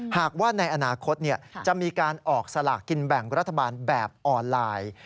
หากว่าในอนาคตจะมีการออกสลากกินแบ่งรัฐบาลแบบออนไลน์